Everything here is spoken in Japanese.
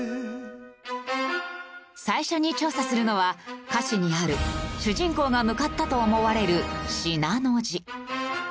最初に調査するのは歌詞にある主人公が向かったと思われる信濃路。